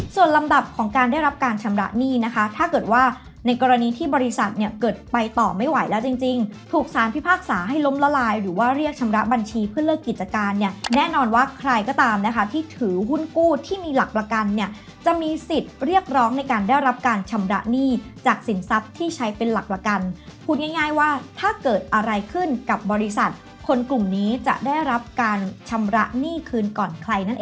ส่วนลำดับของการได้รับการชำระหนี้นะคะถ้าเกิดว่าในกรณีที่บริษัทเนี่ยเกิดไปต่อไม่ไหวแล้วจริงถูกสารพิพากษาให้ล้มละลายหรือว่าเรียกชำระบัญชีเพื่อเลิกกิจการเนี่ยแน่นอนว่าใครก็ตามนะคะที่ถือหุ้นกู้ที่มีหลักประกันเนี่ยจะมีสิทธิ์เรียกร้องในการได้รับการชำระหนี้จากสินทรัพย์